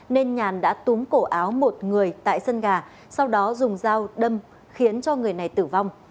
nên nhàn đã túm cổ áo một người tại sân gà sau đó dùng dao đâm khiến cho người này tử vong